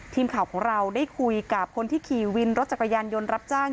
ทีมข่าวของเราได้คุยกับคนที่ขี่วินรถจักรยานยนต์รับจ้าง